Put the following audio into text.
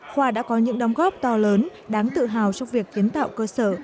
khoa đã có những đóng góp to lớn đáng tự hào trong việc kiến tạo cơ sở